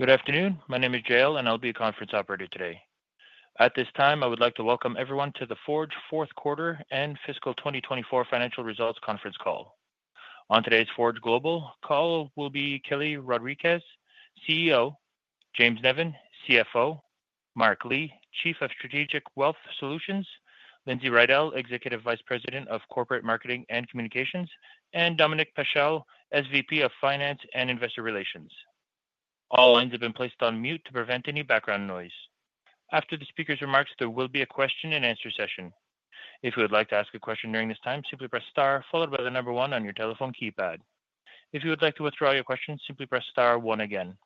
Good afternoon. My name is Jael, and I'll be your conference operator today. At this time, I would like to welcome everyone to the Forge fourth quarter and fiscal 2024 financial results conference call. On today's Forge Global call will be Kelly Rodriques, CEO; James Nevin, CFO; Mark Lee, Chief of Strategic Wealth Solutions; Lindsay Riddell, Executive Vice President of Corporate Marketing and Communications; and Dominic Paschel, SVP of Finance and Investor Relations. All lines have been placed on mute to prevent any background noise. After the speakers' remarks, there will be a question-and-answer session. If you would like to ask a question during this time, simply press star followed by the number one on your telephone keypad. If you would like to withdraw your question, simply press star one again.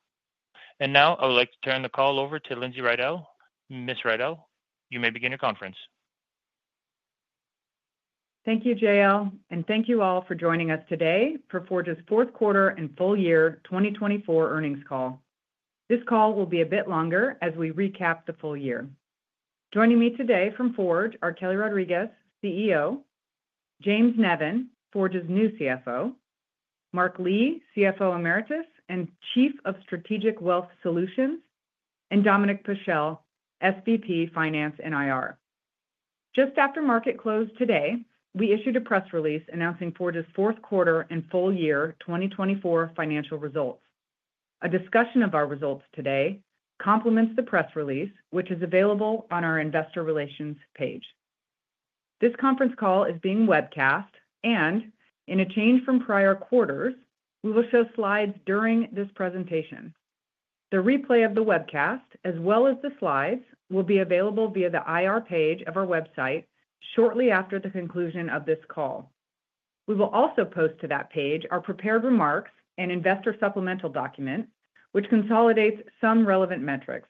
I would like to turn the call over to Lindsay Riddell. Ms. Riddell, you may begin your conference. Thank you, Jael, and thank you all for joining us today for Forge's fourth quarter and full year 2024 earnings call. This call will be a bit longer as we recap the full year. Joining me today from Forge are Kelly Rodriques, CEO; James Nevin, Forge's new CFO; Mark Lee, CFO Emeritus and Chief of Strategic Wealth Solutions; and Dominic Paschel, SVP Finance and IR. Just after market closed today, we issued a press release announcing Forge's fourth quarter and full year 2024 financial results. A discussion of our results today complements the press release, which is available on our Investor Relations page. This conference call is being webcast, and in a change from prior quarters, we will show slides during this presentation. The replay of the webcast, as well as the slides, will be available via the IR page of our website shortly after the conclusion of this call. We will also post to that page our prepared remarks and investor supplemental document, which consolidates some relevant metrics.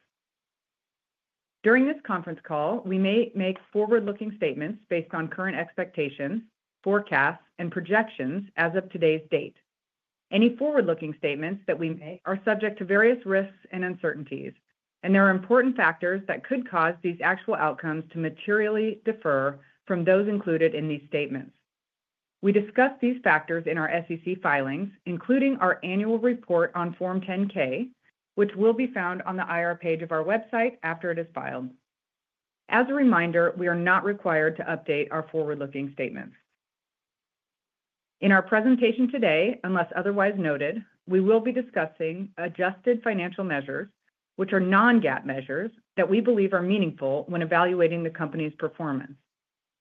During this conference call, we may make forward-looking statements based on current expectations, forecasts, and projections as of today's date. Any forward-looking statements that we make are subject to various risks and uncertainties, and there are important factors that could cause these actual outcomes to materially differ from those included in these statements. We discuss these factors in our SEC filings, including our annual report on Form 10-K, which will be found on the IR page of our website after it is filed. As a reminder, we are not required to update our forward-looking statements. In our presentation today, unless otherwise noted, we will be discussing adjusted financial measures, which are non-GAAP measures that we believe are meaningful when evaluating the company's performance.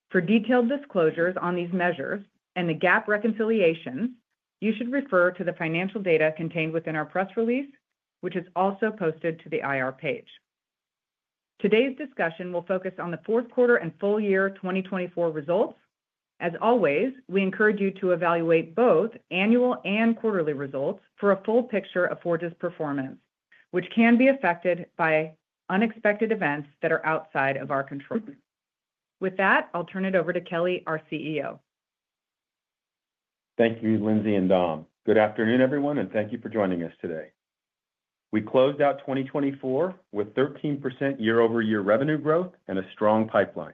For detailed disclosures on these measures and the GAAP reconciliations, you should refer to the financial data contained within our press release, which is also posted to the IR page. Today's discussion will focus on the fourth quarter and full year 2024 results. As always, we encourage you to evaluate both annual and quarterly results for a full picture of Forge's performance, which can be affected by unexpected events that are outside of our control. With that, I'll turn it over to Kelly, our CEO. Thank you, Lindsay and Dom. Good afternoon, everyone, and thank you for joining us today. We closed out 2024 with 13% year-over-year revenue growth and a strong pipeline.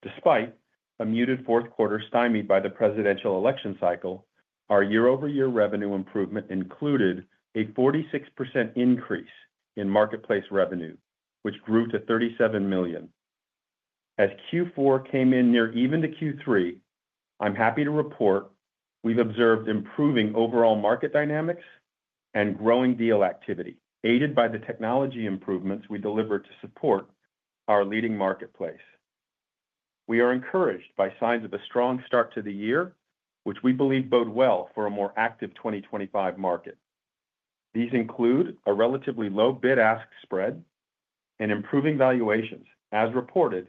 Despite a muted fourth quarter stymied by the presidential election cycle, our year-over-year revenue improvement included a 46% increase in marketplace revenue, which grew to $37 million. As Q4 came in near even to Q3, I'm happy to report we've observed improving overall market dynamics and growing deal activity, aided by the technology improvements we delivered to support our leading marketplace. We are encouraged by signs of a strong start to the year, which we believe bode well for a more active 2025 market. These include a relatively low bid-ask spread and improving valuations, as reported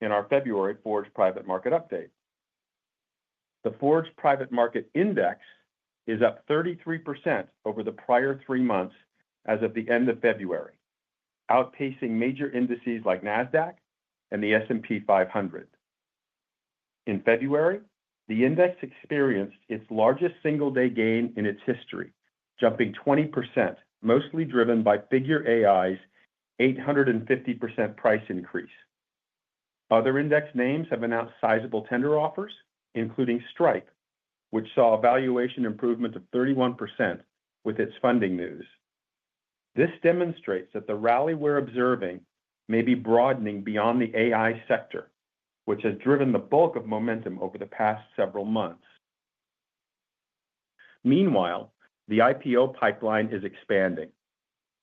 in our February Forge Private Market update. The Forge Private Market Index is up 33% over the prior three months as of the end of February, outpacing major indices like Nasdaq and the S&P 500. In February, the index experienced its largest single-day gain in its history, jumping 20%, mostly driven by Figure AI's 850% price increase. Other index names have announced sizable tender offers, including Stripe, which saw a valuation improvement of 31% with its funding news. This demonstrates that the rally we're observing may be broadening beyond the AI sector, which has driven the bulk of momentum over the past several months. Meanwhile, the IPO pipeline is expanding,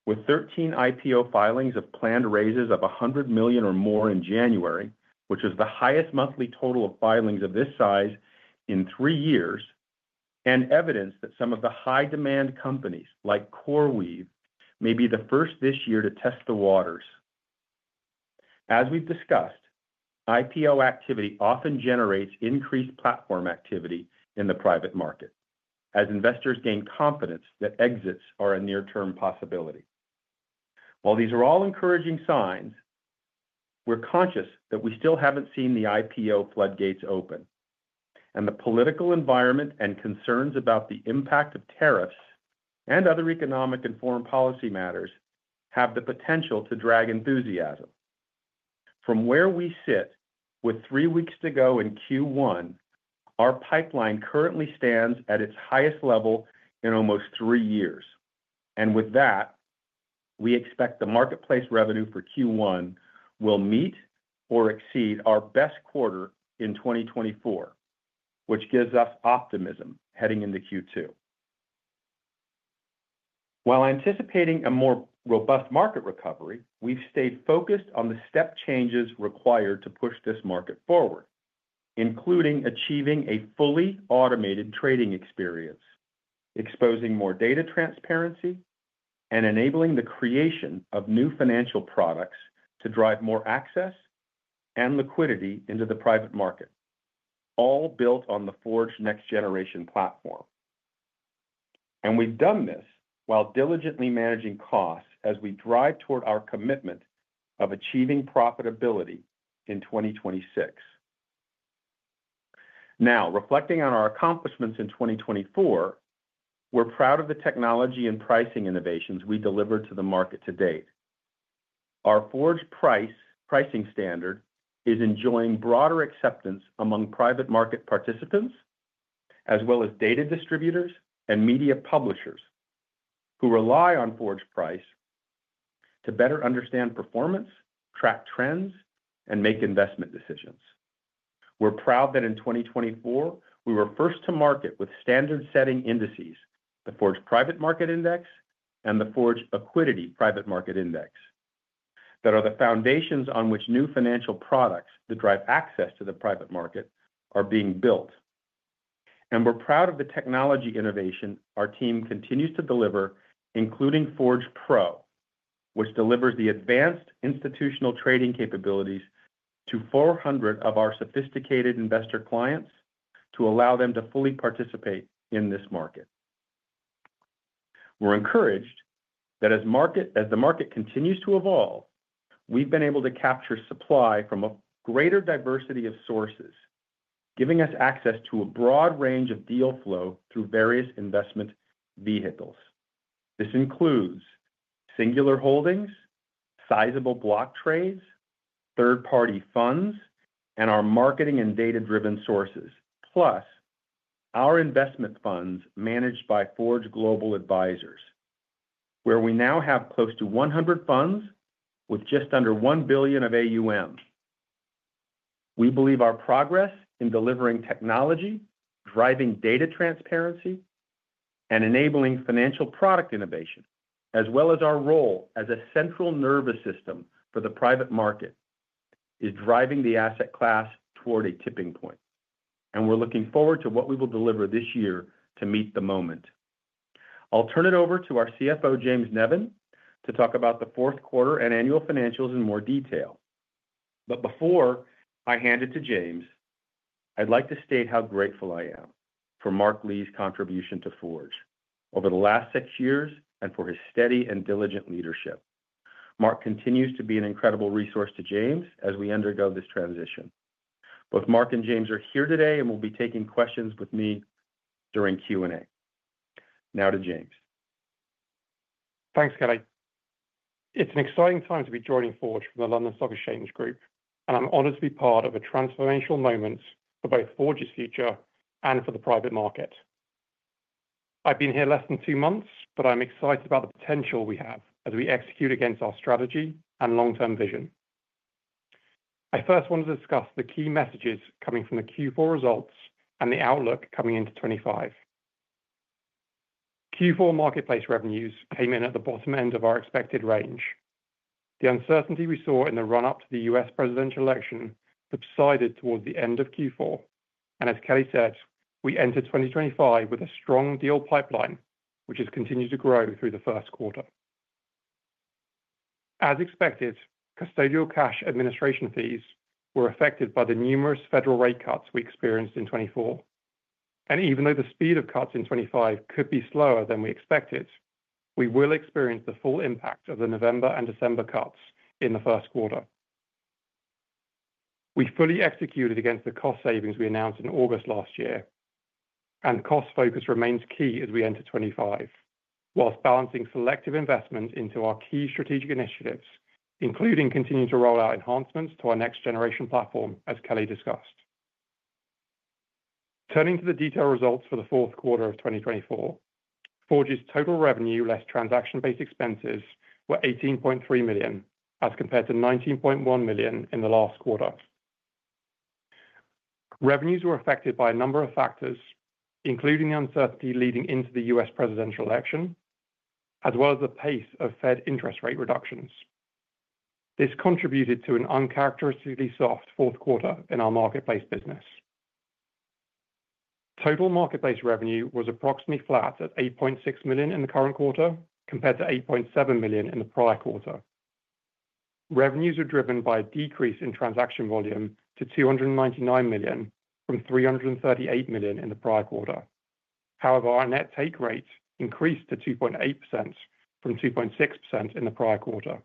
with 13 IPO filings of planned raises of $100 million or more in January, which was the highest monthly total of filings of this size in three years, and evidence that some of the high-demand companies like CoreWeave may be the first this year to test the waters. As we've discussed, IPO activity often generates increased platform activity in the private market, as investors gain confidence that exits are a near-term possibility. While these are all encouraging signs, we're conscious that we still haven't seen the IPO floodgates open, and the political environment and concerns about the impact of tariffs and other economic and foreign policy matters have the potential to drag enthusiasm. From where we sit, with three weeks to go in Q1, our pipeline currently stands at its highest level in almost three years. With that, we expect the marketplace revenue for Q1 will meet or exceed our best quarter in 2024, which gives us optimism heading into Q2. While anticipating a more robust market recovery, we've stayed focused on the step changes required to push this market forward, including achieving a fully automated trading experience, exposing more data transparency, and enabling the creation of new financial products to drive more access and liquidity into the private market, all built on the Forge next-generation platform. We've done this while diligently managing costs as we drive toward our commitment of achieving profitability in 2026. Now, reflecting on our accomplishments in 2024, we're proud of the technology and pricing innovations we delivered to the market to date. Our Forge pricing standard is enjoying broader acceptance among private market participants, as well as data distributors and media publishers who rely on Forge Price to better understand performance, track trends, and make investment decisions. We're proud that in 2024, we were first to market with standard-setting indices: the Forge Private Market Index and the Forge Accuidity Private Market Index, that are the foundations on which new financial products that drive access to the private market are being built. We're proud of the technology innovation our team continues to deliver, including Forge Pro, which delivers the advanced institutional trading capabilities to 400 of our sophisticated investor clients to allow them to fully participate in this market. We're encouraged that as the market continues to evolve, we've been able to capture supply from a greater diversity of sources, giving us access to a broad range of deal flow through various investment vehicles. This includes singular holdings, sizable block trades, third-party funds, and our marketing and data-driven sources, plus our investment funds managed by Forge Global Advisors, where we now have close to 100 funds with just under $1 billion of AUM. We believe our progress in delivering technology, driving data transparency, and enabling financial product innovation, as well as our role as a central nervous system for the private market, is driving the asset class toward a tipping point. We are looking forward to what we will deliver this year to meet the moment. I'll turn it over to our CFO, James Nevin, to talk about the fourth quarter and annual financials in more detail. Before I hand it to James, I'd like to state how grateful I am for Mark Lee's contribution to Forge over the last six years and for his steady and diligent leadership. Mark continues to be an incredible resource to James as we undergo this transition. Both Mark and James are here today and will be taking questions with me during Q&A. Now to James. Thanks, Kelly. It's an exciting time to be joining Forge from the London Stock Exchange Group, and I'm honored to be part of a transformational moment for both Forge's future and for the private market. I've been here less than two months, but I'm excited about the potential we have as we execute against our strategy and long-term vision. I first want to discuss the key messages coming from the Q4 results and the outlook coming into 2025. Q4 marketplace revenues came in at the bottom end of our expected range. The uncertainty we saw in the run-up to the U.S. presidential election subsided towards the end of Q4, and as Kelly said, we entered 2025 with a strong deal pipeline, which has continued to grow through the first quarter. As expected, custodial cash administration fees were affected by the numerous federal rate cuts we experienced in 2024. Even though the speed of cuts in 2025 could be slower than we expected, we will experience the full impact of the November and December cuts in the first quarter. We fully executed against the cost savings we announced in August last year, and cost focus remains key as we enter 2025, whilst balancing selective investment into our key strategic initiatives, including continuing to roll out enhancements to our next-generation platform, as Kelly discussed. Turning to the detailed results for the fourth quarter of 2024, Forge's total revenue less transaction-based expenses were $18.3 million, as compared to $19.1 million in the last quarter. Revenues were affected by a number of factors, including the uncertainty leading into the U.S. presidential election, as well as the pace of Fed interest rate reductions. This contributed to an uncharacteristically soft fourth quarter in our marketplace business. Total marketplace revenue was approximately flat at $8.6 million in the current quarter, compared to $8.7 million in the prior quarter. Revenues were driven by a decrease in transaction volume to $299 million from $338 million in the prior quarter. However, our net take rate increased to 2.8% from 2.6% in the prior quarter.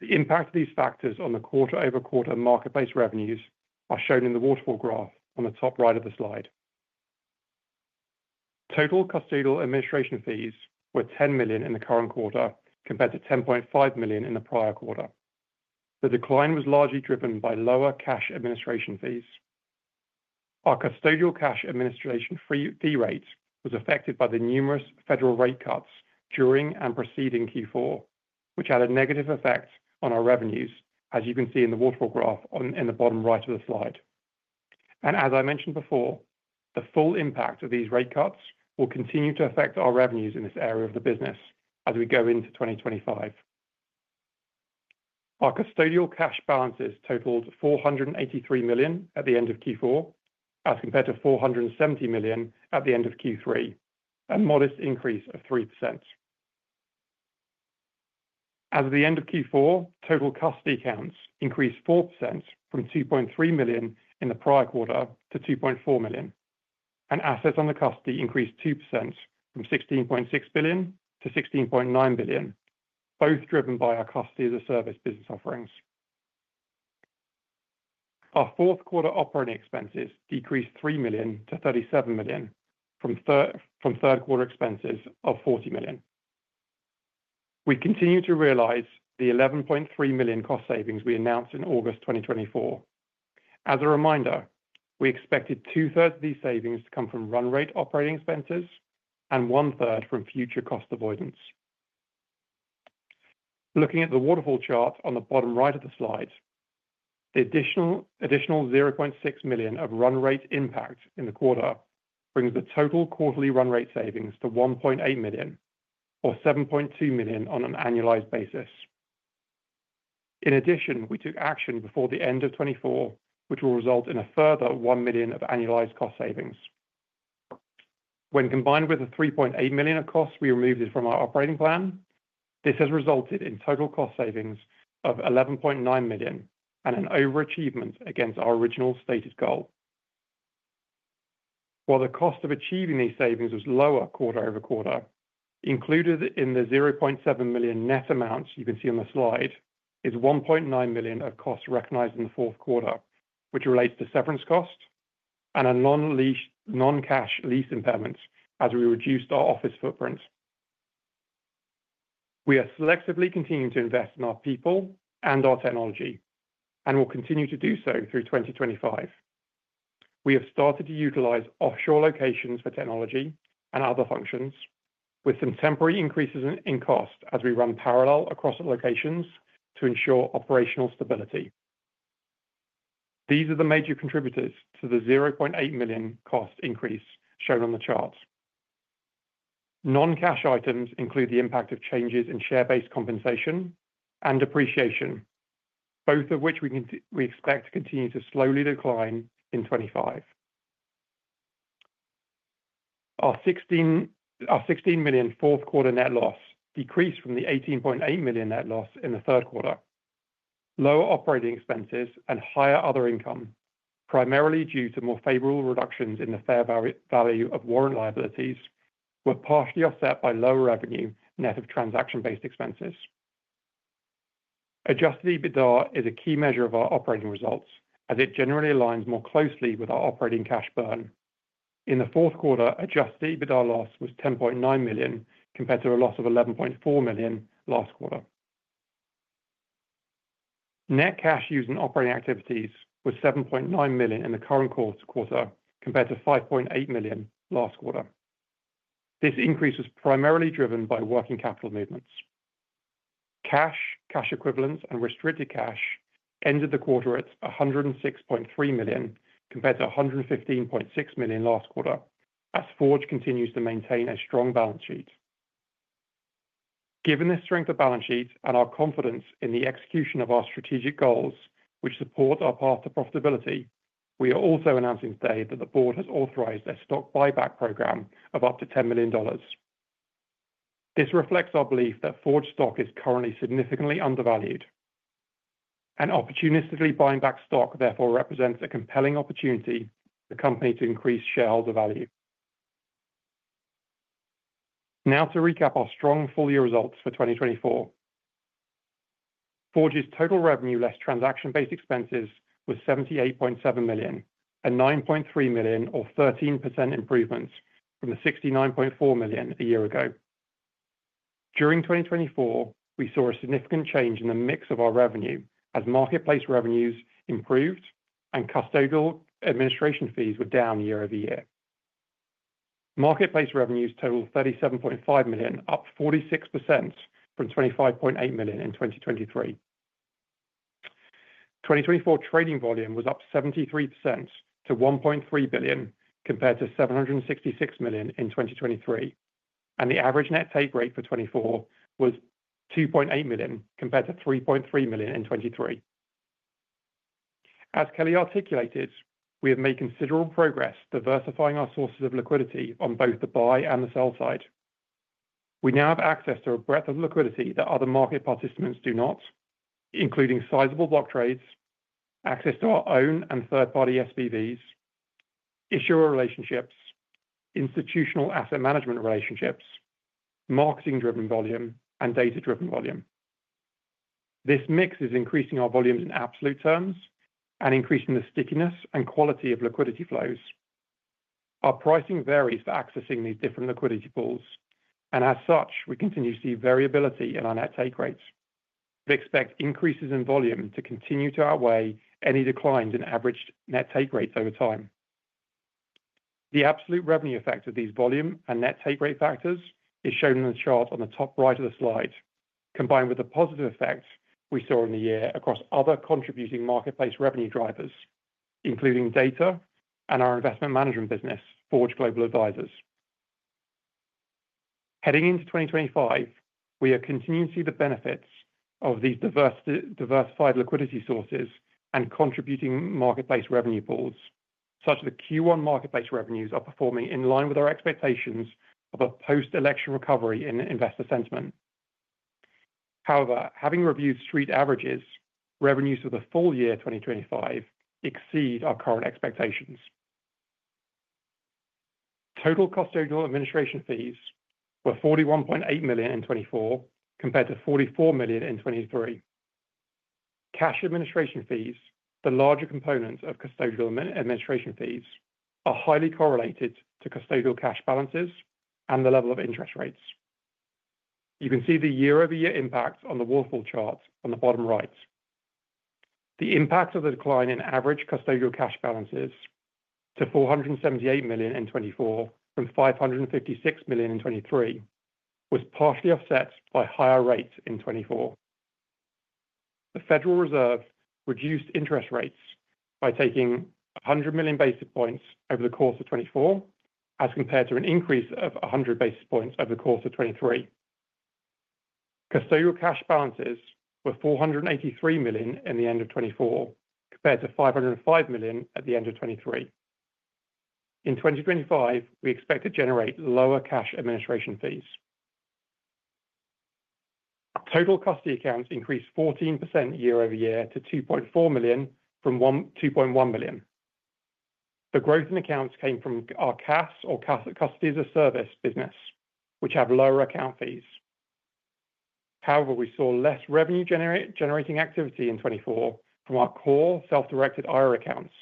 The impact of these factors on the quarter-over-quarter marketplace revenues are shown in the waterfall graph on the top right of the slide. Total custodial administration fees were $10 million in the current quarter, compared to $10.5 million in the prior quarter. The decline was largely driven by lower cash administration fees. Our custodial cash administration fee rate was affected by the numerous federal rate cuts during and preceding Q4, which had a negative effect on our revenues, as you can see in the waterfall graph in the bottom right of the slide. As I mentioned before, the full impact of these rate cuts will continue to affect our revenues in this area of the business as we go into 2025. Our custodial cash balances totaled $483 million at the end of Q4, as compared to $470 million at the end of Q3, a modest increase of 3%. As of the end of Q4, total custody counts increased 4% from 2.3 million in the prior quarter to 2.4 million. Assets under custody increased 2% from $16.6 billion to $16.9 billion, both driven by our custody as a service business offerings. Our fourth quarter operating expenses decreased $3 million to $37 million from third quarter expenses of $40 million. We continue to realize the $11.3 million cost savings we announced in August 2024. As a reminder, we expected 2/3 of these savings to come from run-rate operating expenses and 1/3 from future cost avoidance. Looking at the waterfall chart on the bottom right of the slide, the additional $0.6 million of run-rate impact in the quarter brings the total quarterly run-rate savings to $1.8 million, or $7.2 million on an annualized basis. In addition, we took action before the end of 2024, which will result in a further $1 million of annualized cost savings. When combined with the $3.8 million of costs we removed from our operating plan, this has resulted in total cost savings of $11.9 million and an overachievement against our original stated goal. While the cost of achieving these savings was lower quarter over quarter, included in the $0.7 million net amounts you can see on the slide is $1.9 million of costs recognized in the fourth quarter, which relates to severance cost and a non-cash lease impairment as we reduced our office footprint. We are selectively continuing to invest in our people and our technology, and we'll continue to do so through 2025. We have started to utilize offshore locations for technology and other functions, with some temporary increases in cost as we run parallel across locations to ensure operational stability. These are the major contributors to the $0.8 million cost increase shown on the chart. Non-cash items include the impact of changes in share-based compensation and depreciation, both of which we expect to continue to slowly decline in 2025. Our $16 million fourth quarter net loss decreased from the $18.8 million net loss in the third quarter. Lower operating expenses and higher other income, primarily due to more favorable reductions in the fair value of warrant liabilities, were partially offset by lower revenue net of transaction-based expenses. Adjusted EBITDA is a key measure of our operating results, as it generally aligns more closely with our operating cash burn. In the fourth quarter, adjusted EBITDA loss was $10.9 million compared to a loss of $11.4 million last quarter. Net cash used in operating activities was $7.9 million in the current quarter compared to $5.8 million last quarter. This increase was primarily driven by working capital movements. Cash, cash equivalents, and restricted cash ended the quarter at $106.3 million compared to $115.6 million last quarter, as Forge continues to maintain a strong balance sheet. Given this strength of balance sheet and our confidence in the execution of our strategic goals, which support our path to profitability, we are also announcing today that the board has authorized a stock buyback program of up to $10 million. This reflects our belief that Forge stock is currently significantly undervalued. An opportunistically buying back stock therefore represents a compelling opportunity for the company to increase shareholder value. Now to recap our strong full-year results for 2024. Forge's total revenue less transaction-based expenses was $78.7 million, a $9.3 million, or 13% improvement from the $69.4 million a year ago. During 2024, we saw a significant change in the mix of our revenue as marketplace revenues improved and custodial administration fees were down year over year. Marketplace revenues totaled $37.5 million, up 46% from $25.8 million in 2023. 2024 trading volume was up 73% to $1.3 billion compared to $766 million in 2023, and the average net take rate for 2024 was $2.8 million compared to $3.3 million in 2023. As Kelly articulated, we have made considerable progress diversifying our sources of liquidity on both the buy and the sell side. We now have access to a breadth of liquidity that other market participants do not, including sizable block trades, access to our own and third-party SPVs, issuer relationships, institutional asset management relationships, marketing-driven volume, and data-driven volume. This mix is increasing our volumes in absolute terms and increasing the stickiness and quality of liquidity flows. Our pricing varies for accessing these different liquidity pools, and as such, we continue to see variability in our net take rates. We expect increases in volume to continue to outweigh any declines in averaged net take rates over time. The absolute revenue effect of these volume and net take rate factors is shown in the chart on the top right of the slide, combined with the positive effect we saw in the year across other contributing marketplace revenue drivers, including data and our investment management business, Forge Global Advisors. Heading into 2025, we are continuing to see the benefits of these diversified liquidity sources and contributing marketplace revenue pools, such that Q1 marketplace revenues are performing in line with our expectations of a post-election recovery in investor sentiment. However, having reviewed street averages, revenues for the full year 2025 exceed our current expectations. Total custodial administration fees were $41.8 million in 2024, compared to $44 million in 2023. Cash administration fees, the larger component of custodial administration fees, are highly correlated to custodial cash balances and the level of interest rates. You can see the year-over-year impact on the waterfall chart on the bottom right. The impact of the decline in average custodial cash balances to $478 million in 2024 from $556 million in 2023 was partially offset by higher rates in 2024. The Federal Reserve reduced interest rates by taking 100 bps over the course of 2024, as compared to an increase of 100 bps over the course of 2023. Custodial cash balances were $483 million in the end of 2024, compared to $505 million at the end of 2023. In 2025, we expect to generate lower cash administration fees. Total custody accounts increased 14% year over year to 2.4 million from 2.1 million. The growth in accounts came from our CAS, or Custody as a Service business, which have lower account fees. However, we saw less revenue-generating activity in 2024 from our core self-directed IRA accounts,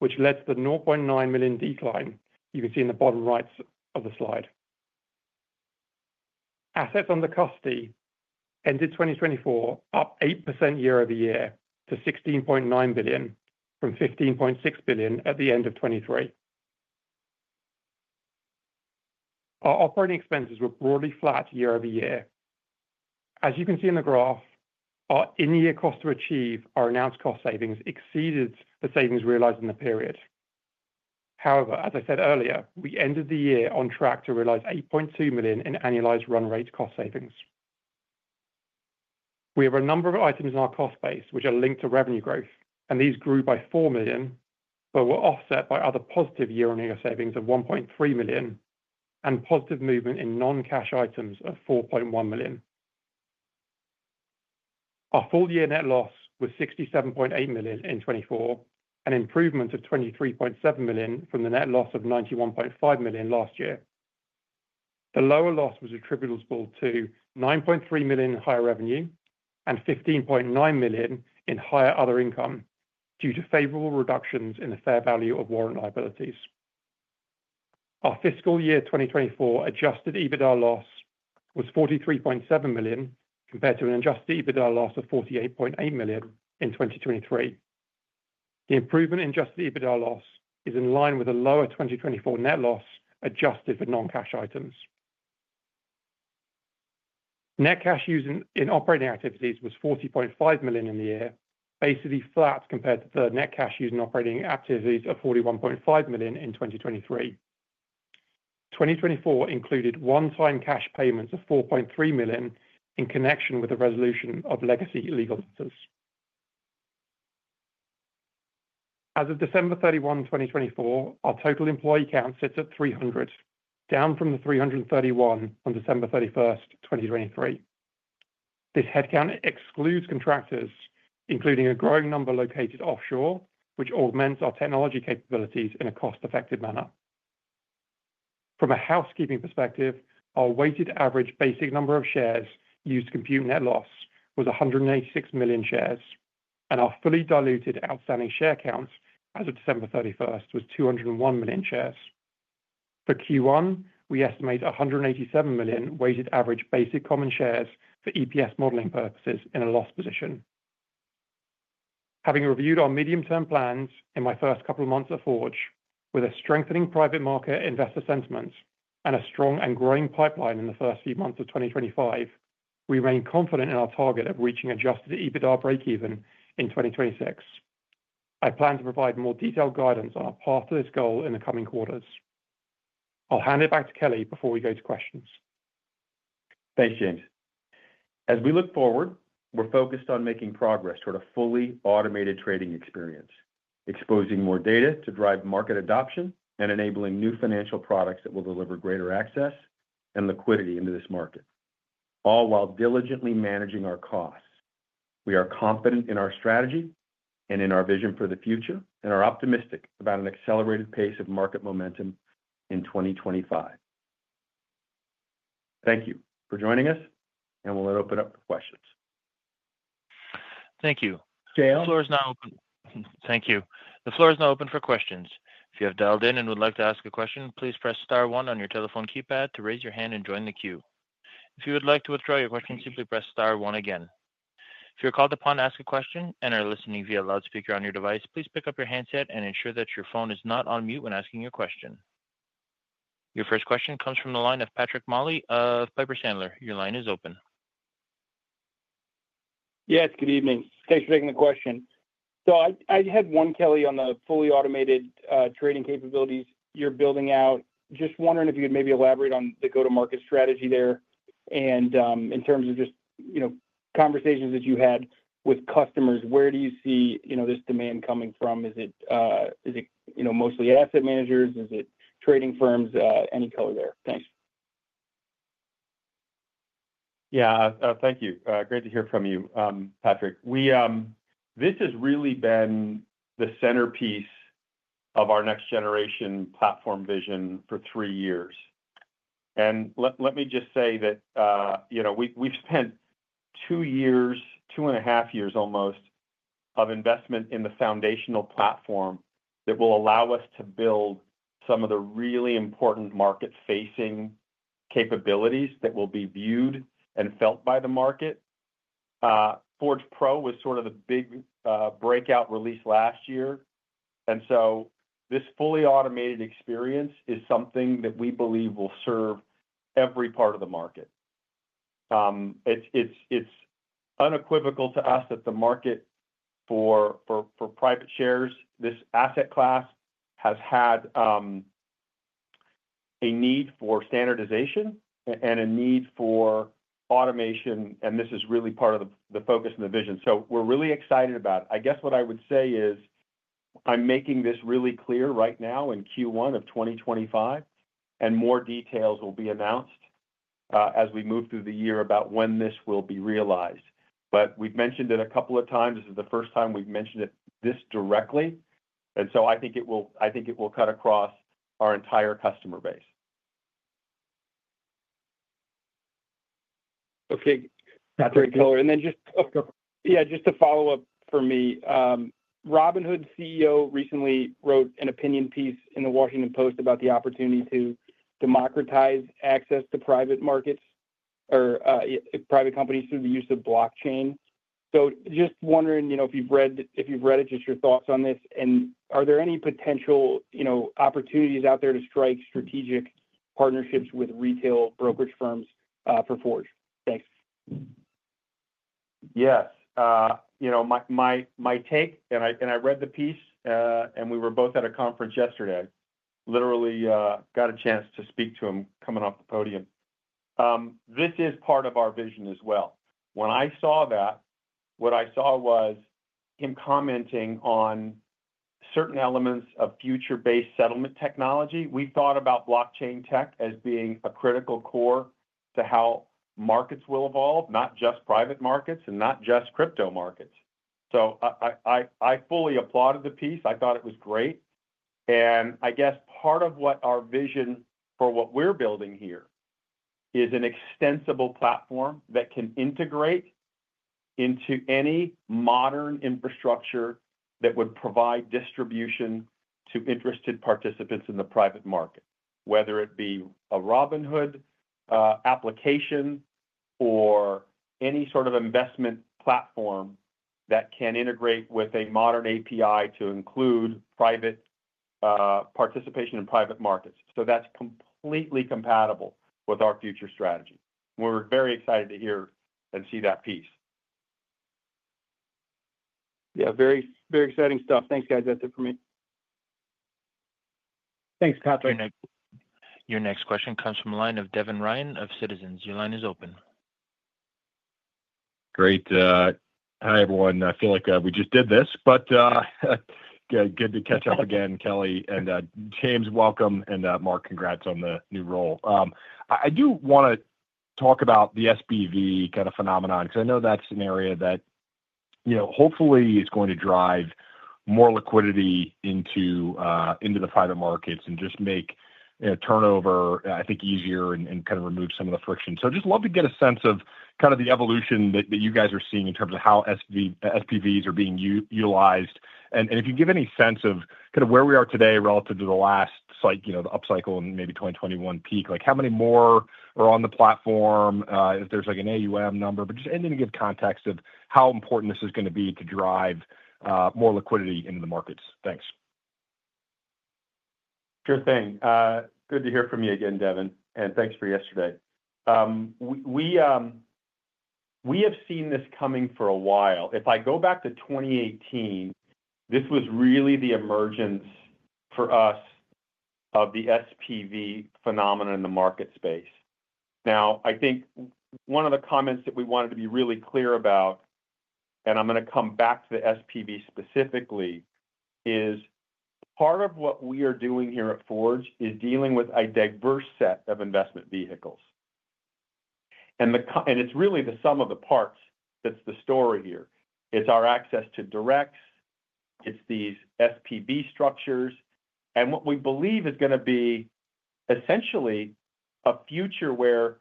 which led to the $0.9 million decline you can see in the bottom right of the slide. Assets under custody ended 2024 up 8% year over year to $16.9 billion from $15.6 billion at the end of 2023. Our operating expenses were broadly flat year over year. As you can see in the graph, our in-year cost to achieve our announced cost savings exceeded the savings realized in the period. However, as I said earlier, we ended the year on track to realize $8.2 million in annualized run-rate cost savings. We have a number of items in our cost base which are linked to revenue growth, and these grew by $4 million, but were offset by other positive year-on-year savings of $1.3 million and positive movement in non-cash items of $4.1 million. Our full-year net loss was $67.8 million in 2024, an improvement of $23.7 million from the net loss of $91.5 million last year. The lower loss was attributable to $9.3 million in higher revenue and $15.9 million in higher other income due to favorable reductions in the fair value of warrant liabilities. Our fiscal year 2024 adjusted EBITDA loss was $43.7 million compared to an adjusted EBITDA loss of $48.8 million in 2023. The improvement in adjusted EBITDA loss is in line with a lower 2024 net loss adjusted for non-cash items. Net cash used in operating activities was $40.5 million in the year, basically flat compared to the net cash used in operating activities of $41.5 million in 2023. 2024 included one-time cash payments of $4.3 million in connection with the resolution of legacy legal debts. As of December 31, 2024, our total employee count sits at 300, down from the 331 on December 31st, 2023. This headcount excludes contractors, including a growing number located offshore, which augments our technology capabilities in a cost-effective manner. From a housekeeping perspective, our weighted average basic number of shares used to compute net loss was 186 million shares, and our fully diluted outstanding share counts as of December 31st was 201 million shares. For Q1, we estimate 187 million weighted average basic common shares for EPS modeling purposes in a loss position. Having reviewed our medium-term plans in my first couple of months at Forge, with a strengthening private market investor sentiment and a strong and growing pipeline in the first few months of 2025, we remain confident in our target of reaching adjusted EBITDA break-even in 2026. I plan to provide more detailed guidance on our path to this goal in the coming quarters. I'll hand it back to Kelly before we go to questions. Thanks, James. As we look forward, we're focused on making progress toward a fully automated trading experience, exposing more data to drive market adoption and enabling new financial products that will deliver greater access and liquidity into this market, all while diligently managing our costs. We are confident in our strategy and in our vision for the future, and are optimistic about an accelerated pace of market momentum in 2025. Thank you for joining us, and we'll open up for questions. Thank you. The floor is now open. Thank you. The floor is now open for questions. If you have dialed in and would like to ask a question, please press star one on your telephone keypad to raise your hand and join the queue. If you would like to withdraw your question, simply press star one again. If you're called upon to ask a question and are listening via loudspeaker on your device, please pick up your handset and ensure that your phone is not on mute when asking your question. Your first question comes from the line of Patrick Moley of Piper Sandler. Your line is open. Yes, good evening. Thanks for taking the question. I had one, Kelly, on the fully automated trading capabilities you're building out. Just wondering if you could maybe elaborate on the go-to-market strategy there. In terms of just conversations that you had with customers, where do you see this demand coming from? Is it mostly asset managers? Is it trading firms? Any color there? Thanks. Yeah, thank you. Great to hear from you, Patrick. This has really been the centerpiece of our next-generation platform vision for three years. Let me just say that we've spent two years, two and a half years almost, of investment in the foundational platform that will allow us to build some of the really important market-facing capabilities that will be viewed and felt by the market. Forge Pro was sort of the big breakout released last year. This fully automated experience is something that we believe will serve every part of the market. It's unequivocal to us that the market for private shares, this asset class, has had a need for standardization and a need for automation, and this is really part of the focus and the vision. We're really excited about it. I guess what I would say is I'm making this really clear right now in Q1 of 2025, and more details will be announced as we move through the year about when this will be realized. We've mentioned it a couple of times. This is the first time we've mentioned it this directly. I think it will cut across our entire customer base. Okay, Patrick just to follow up for me, Robinhood CEO recently wrote an opinion piece in The Washington Post about the opportunity to democratize access to private markets or private companies through the use of blockchain. Just wondering if you've read it, your thoughts on this, and are there any potential opportunities out there to strike strategic partnerships with retail brokerage firms for Forge? Thanks. Yes. My take, and I read the piece, and we were both at a conference yesterday. Literally got a chance to speak to him coming off the podium. This is part of our vision as well. When I saw that, what I saw was him commenting on certain elements of future-based settlement technology. We thought about blockchain tech as being a critical core to how markets will evolve, not just private markets and not just crypto markets. I fully applauded the piece. I thought it was great. I guess part of what our vision for what we're building here is an extensible platform that can integrate into any modern infrastructure that would provide distribution to interested participants in the private market, whether it be a Robinhood application or any sort of investment platform that can integrate with a modern API to include participation in private markets. That's completely compatible with our future strategy. We're very excited to hear and see that piece. Yeah, very exciting stuff. Thanks, guys. That's it for me. Thanks, Patrick. Your next question comes from the line of Devin Ryan of Citizens. Your line is open. Great. Hi, everyone. I feel like we just did this, but good to catch up again, Kelly and James. Welcome, and Mark, congrats on the new role. I do want to talk about the SPV kind of phenomenon because I know that's an area that hopefully is going to drive more liquidity into the private markets and just make turnover, I think, easier and kind of remove some of the friction. I'd just love to get a sense of kind of the evolution that you guys are seeing in terms of how SPVs are being utilized. If you give any sense of kind of where we are today relative to the last, the upcycle and maybe 2021 peak, how many more are on the platform? If there's an AUM number, but just anything to give context of how important this is going to be to drive more liquidity into the markets. Thanks. Sure thing. Good to hear from you again, Devin, and thanks for yesterday. We have seen this coming for a while. If I go back to 2018, this was really the emergence for us of the SPV phenomenon in the market space. Now, I think one of the comments that we wanted to be really clear about, and I'm going to come back to the SPV specifically, is part of what we are doing here at Forge is dealing with a diverse set of investment vehicles. It is really the sum of the parts that is the story here. It is our access to directs. It is these SPV structures. What we believe is going to be essentially a future where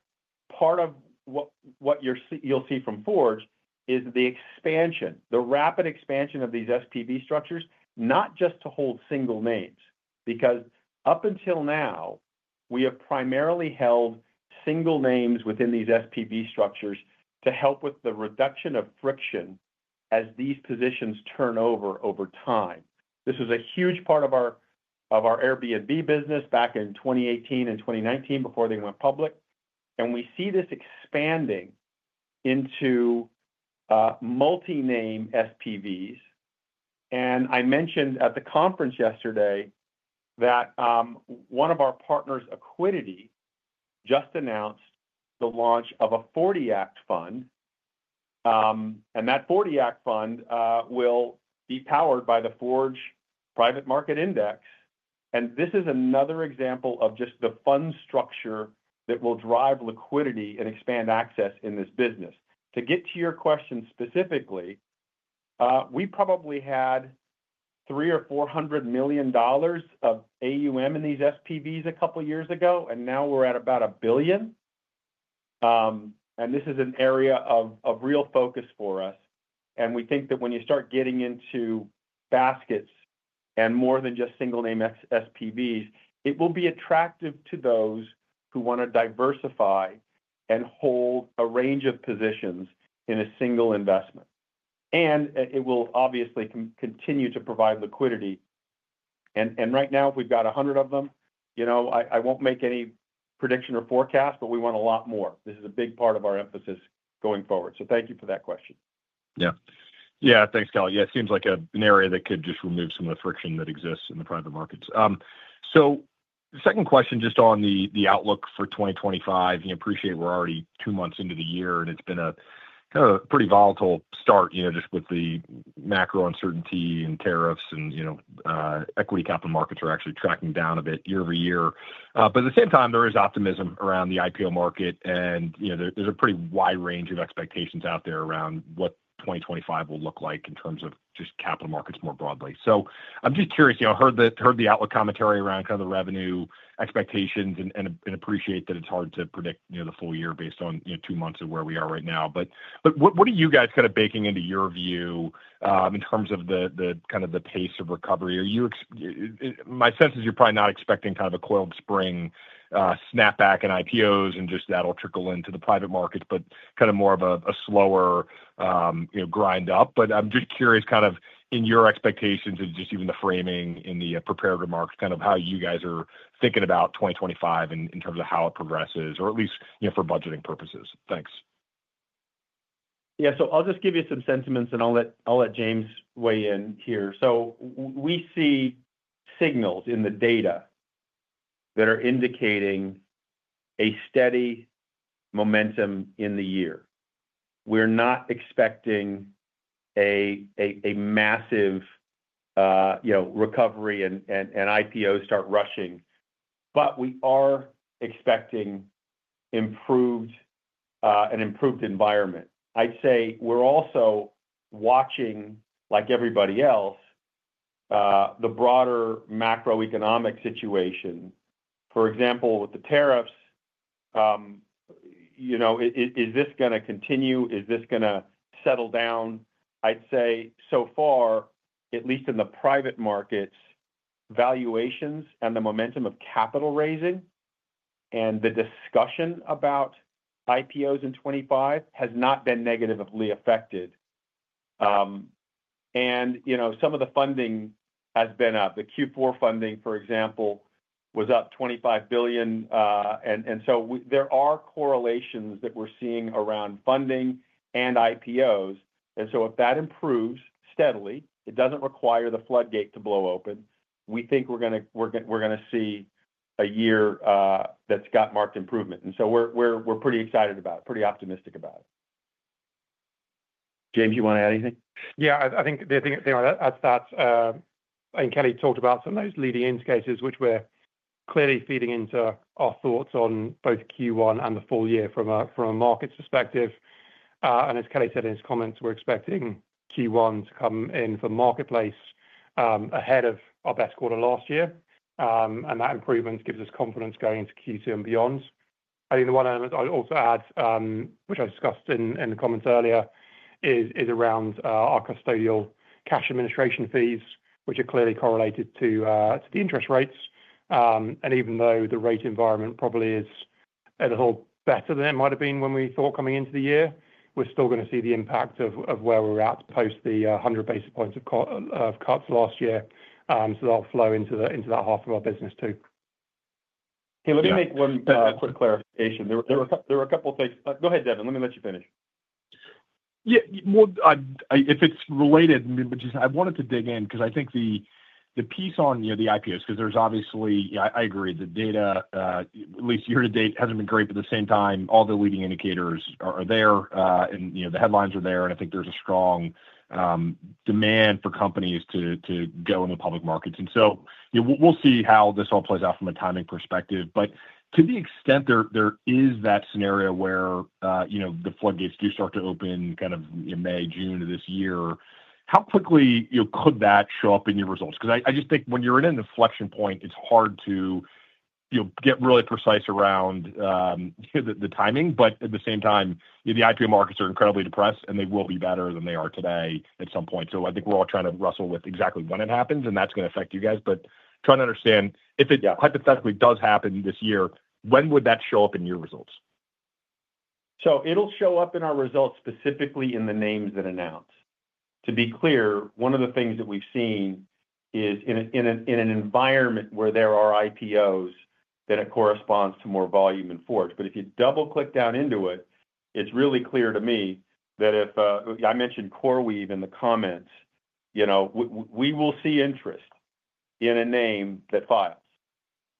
part of what you will see from Forge is the expansion, the rapid expansion of these SPV structures, not just to hold single names. Because up until now, we have primarily held single names within these SPV structures to help with the reduction of friction as these positions turn over over time. This was a huge part of our Airbnb business back in 2018 and 2019 before they went public. We see this expanding into multi-name SPVs. I mentioned at the conference yesterday that one of our partners, Accuidity, just announced the launch of a 40 Act fund. That 40 Act fund will be powered by the Forge Private Market Index. This is another example of just the fund structure that will drive liquidity and expand access in this business. To get to your question specifically, we probably had $300 million or $400 million of AUM in these SPVs a couple of years ago, and now we're at about $1 billion. This is an area of real focus for us. We think that when you start getting into baskets and more than just single-name SPVs, it will be attractive to those who want to diversify and hold a range of positions in a single investment. It will obviously continue to provide liquidity. Right now, if we've got 100 of them, I won't make any prediction or forecast, but we want a lot more. This is a big part of our emphasis going forward. Thank you for that question. Yeah. Yeah, thanks, Kelly. Yeah, it seems like an area that could just remove some of the friction that exists in the private markets. Second question, just on the outlook for 2025. I appreciate we're already two months into the year, and it's been a pretty volatile start just with the macro uncertainty and tariffs, and equity capital markets are actually tracking down a bit year over year. At the same time, there is optimism around the IPO market, and there's a pretty wide range of expectations out there around what 2025 will look like in terms of just capital markets more broadly. I'm just curious. I heard the outlook commentary around kind of the revenue expectations and appreciate that it's hard to predict the full year based on two months of where we are right now. What are you guys kind of baking into your view in terms of the kind of the pace of recovery? My sense is you're probably not expecting kind of a coiled spring snapback in IPOs and just that'll trickle into the private markets, but kind of more of a slower grind up. I'm just curious kind of in your expectations and just even the framing in the preparatory market, kind of how you guys are thinking about 2025 in terms of how it progresses, or at least for budgeting purposes. Thanks. Yeah. I'll just give you some sentiments, and I'll let James weigh in here. We see signals in the data that are indicating a steady momentum in the year. We're not expecting a massive recovery and IPOs start rushing, but we are expecting an improved environment. I'd say we're also watching, like everybody else, the broader macroeconomic situation. For example, with the tariffs, is this going to continue? Is this going to settle down? I'd say so far, at least in the private markets, valuations and the momentum of capital raising and the discussion about IPOs in 2025 has not been negatively affected. Some of the funding has been up. The Q4 funding, for example, was up $25 billion. There are correlations that we're seeing around funding and IPOs. If that improves steadily, it doesn't require the floodgate to blow open, we think we're going to see a year that's got marked improvement. We're pretty excited about it, pretty optimistic about it. James, you want to add anything? Yeah, I think that's Kelly talked about some of those leading-end cases, which we're clearly feeding into our thoughts on both Q1 and the full year from a market perspective. As Kelly said in his comments, we're expecting Q1 to come in for marketplace ahead of our best quarter last year. That improvement gives us confidence going into Q2 and beyond. I think the one element I'd also add, which I discussed in the comments earlier, is around our custodial cash administration fees, which are clearly correlated to the interest rates. Even though the rate environment probably is a little better than it might have been when we thought coming into the year, we're still going to see the impact of where we're at post the 100 bps of cuts last year. That'll flow into that half of our business too. Hey, let me make one quick clarification. There were a couple of things. Go ahead, Devin. Let me let you finish. Yeah. If it's related, I wanted to dig in because I think the piece on the IPOs, because there's obviously, I agree, the data, at least year to date, hasn't been great. At the same time, all the leading indicators are there, and the headlines are there. I think there's a strong demand for companies to go in the public markets. We'll see how this all plays out from a timing perspective. To the extent there is that scenario where the floodgates do start to open kind of May, June of this year, how quickly could that show up in your results? I just think when you're in a deflection point, it's hard to get really precise around the timing. At the same time, the IPO markets are incredibly depressed, and they will be better than they are today at some point. I think we're all trying to wrestle with exactly when it happens, and that's going to affect you guys. Trying to understand if it hypothetically does happen this year, when would that show up in your results? It'll show up in our results specifically in the names that announce. To be clear, one of the things that we've seen is in an environment where there are IPOs that it corresponds to more volume in Forge. If you double-click down into it, it's really clear to me that if I mentioned CoreWeave in the comments, we will see interest in a name that files.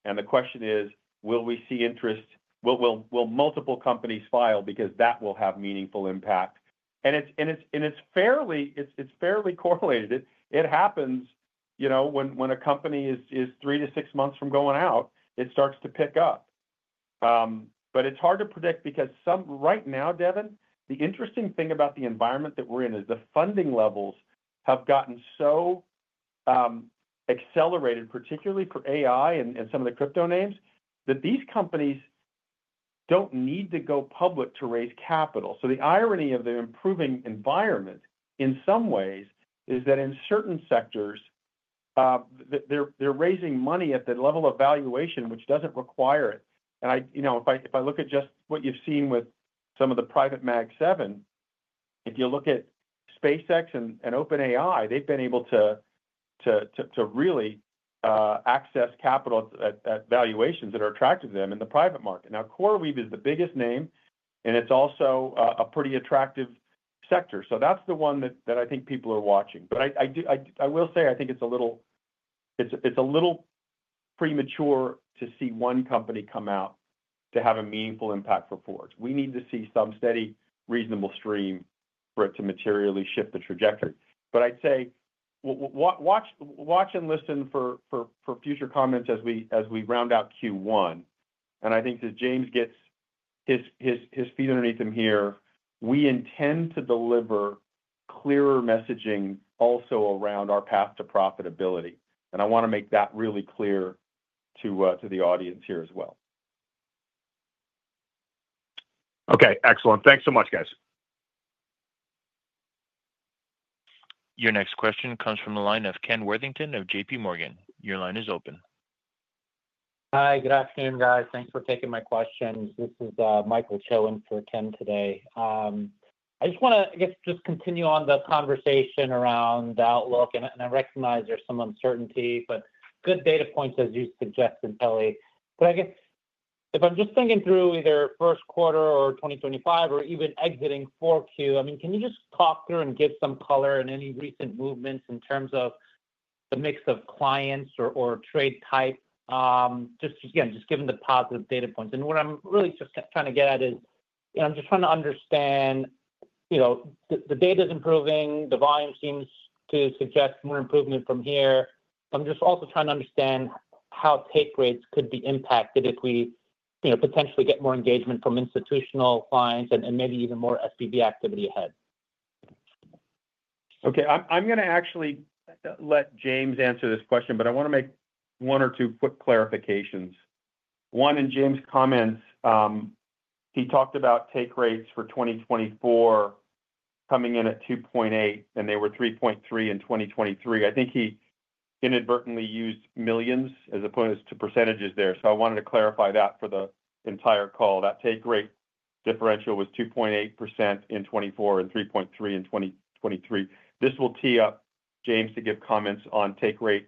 The question is, will we see interest? Will multiple companies file? That will have meaningful impact. It's fairly correlated. It happens when a company is three to six months from going out, it starts to pick up. It's hard to predict because right now, Devin, the interesting thing about the environment that we're in is the funding levels have gotten so accelerated, particularly for AI and some of the crypto names, that these companies don't need to go public to raise capital. The irony of the improving environment in some ways is that in certain sectors, they're raising money at the level of valuation, which doesn't require it. If I look at just what you've seen with some of the private Mag 7, if you look at SpaceX and OpenAI, they've been able to really access capital at valuations that are attractive to them in the private market. Now, CoreWeave is the biggest name, and it's also a pretty attractive sector. That's the one that I think people are watching. I will say I think it's a little premature to see one company come out to have a meaningful impact for Forge. We need to see some steady, reasonable stream for it to materially shift the trajectory. I'd say watch and listen for future comments as we round out Q1. I think as James gets his feet underneath him here, we intend to deliver clearer messaging also around our path to profitability. I want to make that really clear to the audience here as well. Okay. Excellent. Thanks so much, guys. Your next question comes from the line of Kenneth Worthington of J.P. Morgan. Your line is open. Hi. Good afternoon, guys. Thanks for taking my questions. This is Michael filling in for Ken today. I just want to, I guess, just continue on the conversation around the outlook. I recognize there's some uncertainty, but good data points, as you suggested, Kelly. I guess if I'm just thinking through either first quarter or 2025 or even exiting Q4, I mean, can you just talk through and give some color in any recent movements in terms of the mix of clients or trade type, just given the positive data points? What I'm really just trying to get at is I'm just trying to understand the data is improving. The volume seems to suggest more improvement from here. I'm just also trying to understand how take rates could be impacted if we potentially get more engagement from institutional clients and maybe even more SPV activity ahead. Okay. I'm going to actually let James answer this question, but I want to make one or two quick clarifications. One, in James' comments, he talked about take rates for 2024 coming in at 2.8%, and they were 3.3% in 2023. I think he inadvertently used millions as opposed to percentages there. I wanted to clarify that for the entire call. That take rate differential was 2.8% in 2024 and 3.3% in 2023. This will tee up James to give comments on take rate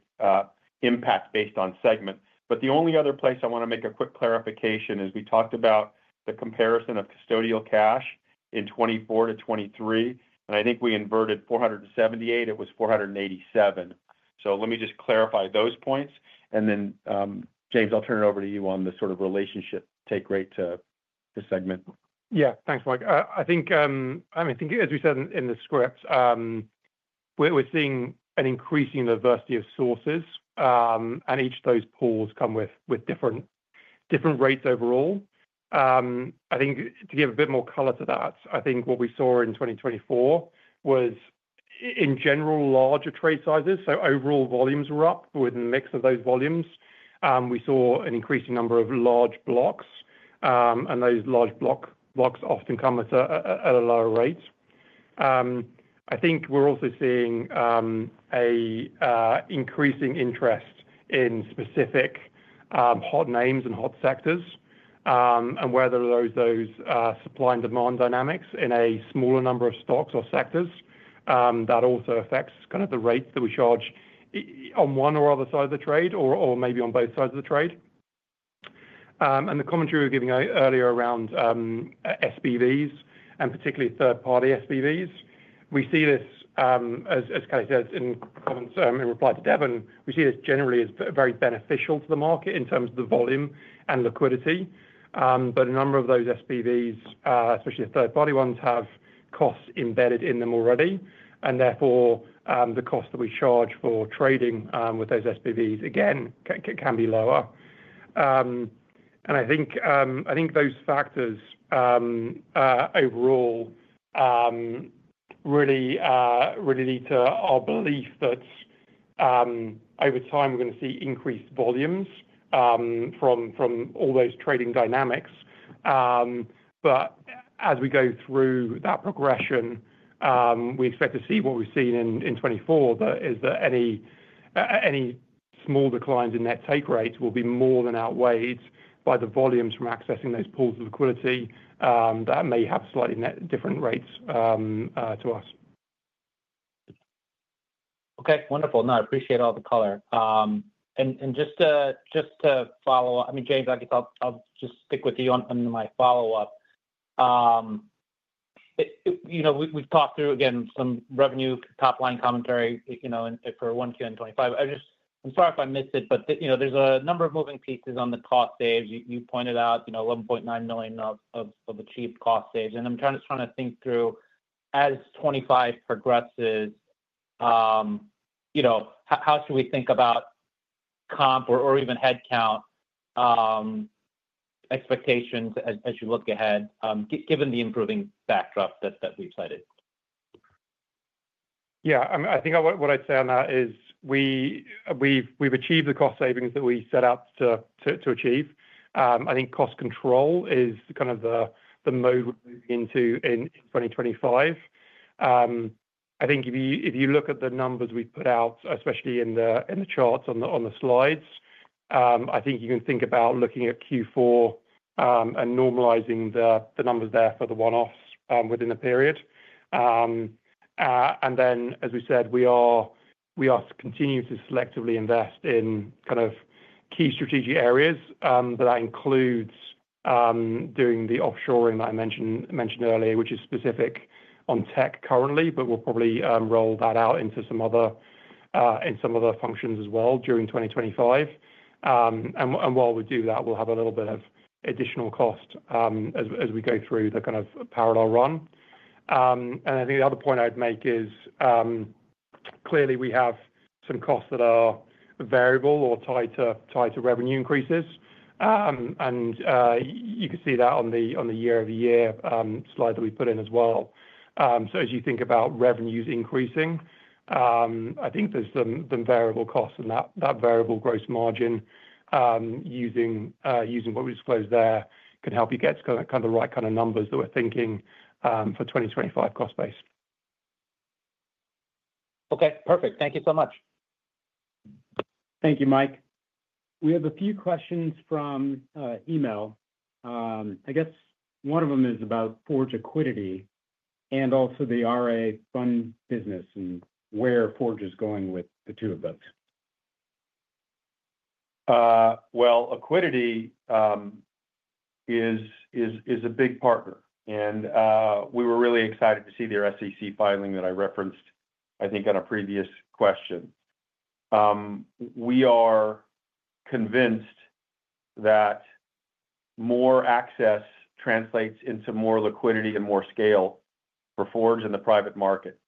impact based on segment. The only other place I want to make a quick clarification is we talked about the comparison of custodial cash in 2024 to 2023, and I think we inverted 478. It was 487. Let me just clarify those points. James, I'll turn it over to you on the sort of relationship take rate to segment. Yeah. Thanks, Mike. I mean, I think, as we said in the script, we're seeing an increasing diversity of sources, and each of those pools come with different rates overall. I think to give a bit more color to that, I think what we saw in 2024 was, in general, larger trade sizes. Overall volumes were up with a mix of those volumes. We saw an increasing number of large blocks, and those large blocks often come at a lower rate. I think we're also seeing an increasing interest in specific hot names and hot sectors and whether those supply and demand dynamics in a smaller number of stocks or sectors, that also affects kind of the rates that we charge on one or other side of the trade or maybe on both sides of the trade. The commentary we were giving earlier around SPVs and particularly third-party SPVs, we see this, as Kelly said in reply to Devin, we see this generally as very beneficial to the market in terms of the volume and liquidity. A number of those SPVs, especially third-party ones, have costs embedded in them already. Therefore, the cost that we charge for trading with those SPVs, again, can be lower. I think those factors overall really lead to our belief that over time, we're going to see increased volumes from all those trading dynamics. As we go through that progression, we expect to see what we've seen in 2024, which is that any small declines in net take rates will be more than outweighed by the volumes from accessing those pools of liquidity that may have slightly different rates to us. Okay. Wonderful. No, I appreciate all the color. Just to follow up, I mean, James, I guess I'll just stick with you on my follow-up. We've talked through, again, some revenue top-line commentary for 1Q and 2025. I'm sorry if I missed it, but there's a number of moving pieces on the cost saves. You pointed out $11.9 million of achieved cost saves. I'm just trying to think through, as 2025 progresses, how should we think about comp or even headcount expectations as you look ahead, given the improving backdrop that we've cited? Yeah. I think what I'd say on that is we've achieved the cost savings that we set out to achieve. I think cost control is kind of the mode we're moving into in 2025. I think if you look at the numbers we've put out, especially in the charts on the slides, I think you can think about looking at Q4 and normalizing the numbers there for the one-offs within the period. As we said, we are continuing to selectively invest in kind of key strategic areas. That includes doing the offshoring that I mentioned earlier, which is specific on tech currently, but we'll probably roll that out into some other functions as well during 2025. While we do that, we'll have a little bit of additional cost as we go through the kind of parallel run. I think the other point I'd make is clearly we have some costs that are variable or tied to revenue increases. You can see that on the year-over-year slide that we put in as well. As you think about revenues increasing, I think there's some variable costs and that variable gross margin using what we disclosed there can help you get to kind of the right kind of numbers that we're thinking for 2025 cost base. Okay. Perfect. Thank you so much. Thank you, Mike. We have a few questions from email. I guess one of them is about Forge Accuidity and also the RA fund business and where Forge is going with the two of those. Accuidity is a big partner. We were really excited to see their SEC filing that I referenced, I think, on a previous question. We are convinced that more access translates into more liquidity and more scale for Forge in the private market.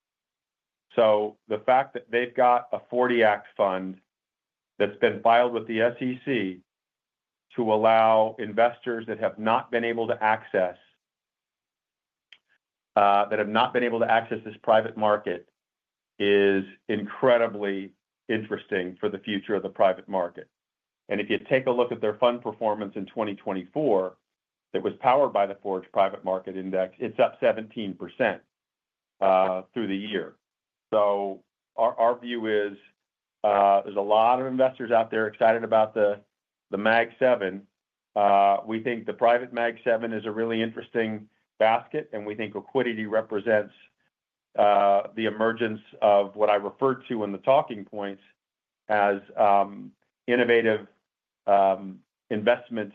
The fact that they've got a 40 Act fund that's been filed with the SEC to allow investors that have not been able to access, that have not been able to access this private market is incredibly interesting for the future of the private market. If you take a look at their fund performance in 2024, that was powered by the Forge Private Market Index, it's up 17% through the year. Our view is there's a lot of investors out there excited about the Mag 7. We think the private Mag 7 is a really interesting basket. We think Accuidity represents the emergence of what I referred to in the talking points as innovative investment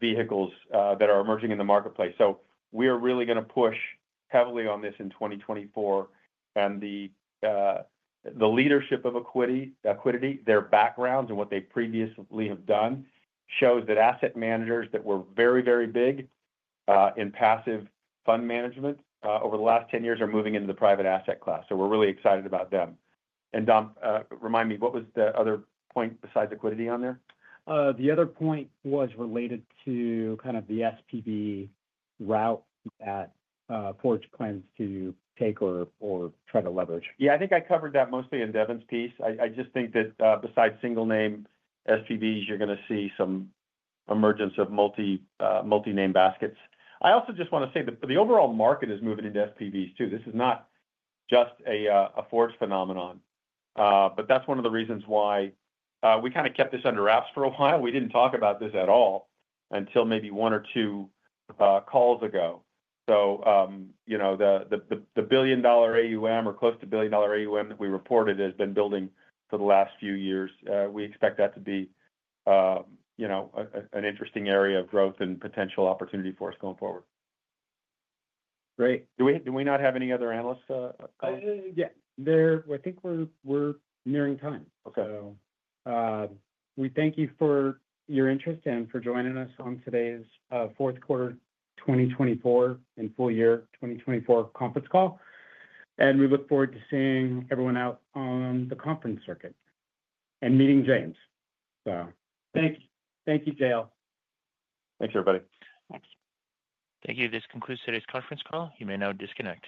vehicles that are emerging in the marketplace. We are really going to push heavily on this in 2024. The leadership of Accuidity, their backgrounds and what they previously have done shows that asset managers that were very, very big in passive fund management over the last 10 years are moving into the private asset class. We are really excited about them. Dom, remind me, what was the other point besides Accuidity on there? The other point was related to kind of the SPV route that Forge plans to take or try to leverage. I think I covered that mostly in Devin's piece. I just think that besides single-name SPVs, you are going to see some emergence of multi-name baskets. I also just want to say that the overall market is moving into SPVs too. This is not just a Forge phenomenon. That is one of the reasons why we kind of kept this under wraps for a while. We didn't talk about this at all until maybe one or two calls ago. The billion-dollar AUM or close to billion-dollar AUM that we reported has been building for the last few years. We expect that to be an interesting area of growth and potential opportunity for us going forward. Great. Do we not have any other analysts? Yeah. I think we're nearing time. We thank you for your interest and for joining us on today's fourth quarter 2024 and full year 2024 conference call. We look forward to seeing everyone out on the conference circuit and meeting James. Thank you. Thank you, Jael. Thanks, everybody. Thank you. This concludes today's conference call. You may now disconnect.